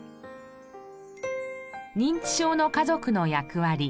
認知症の家族の役割。